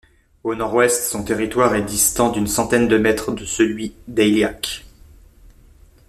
Au nord-ouest, son territoire est distant d'une centaine de mètres de celui d'Eyliac.